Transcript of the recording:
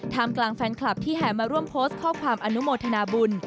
กลางแฟนคลับที่แห่มาร่วมโพสต์ข้อความอนุโมทนาบุญ